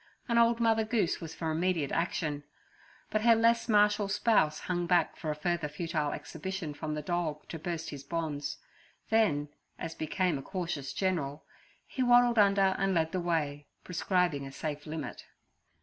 An old mother goose was for immediate action, but her less martial spouse hung back for a further futile exhibition from the dog to burst his bonds, then, as became a cautious general, he waddled under and led the way, proscribing a safe limit.